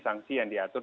sangsi yang diatur